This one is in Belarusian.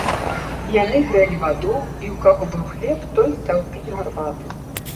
Яны грэлі ваду, і ў каго быў хлеб, той стаў піць гарбату.